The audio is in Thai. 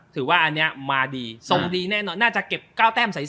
ถือว่าอันนี้มาดีทรงดีแน่นอนน่าจะเก็บ๙แต้มใส่